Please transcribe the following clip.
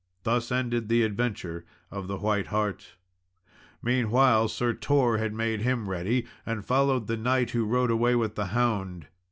Thus ended the adventure of the white hart. Meanwhile, Sir Tor had made him ready, and followed the knight who rode away with the hound.